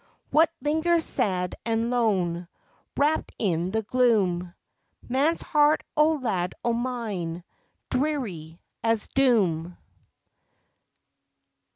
What lingers sad and lone Wrapped in the gloom? Man's heart O lad o' mine Dreary as doom.